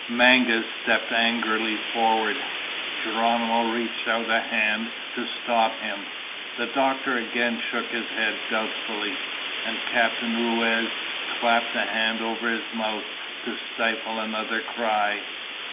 Mangas stepped angrily forward. Geronimo reached out a hand to stop him. The doctor again shook his head doubtfully, and Captain Ruiz clapped a hand over his mouth to stifle another cry.